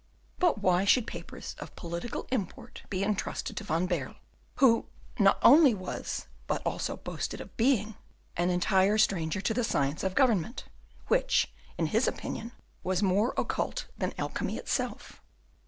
But why should papers of political import be intrusted to Van Baerle, who not only was, but also boasted of being, an entire stranger to the science of government, which, in his opinion, was more occult than alchemy itself?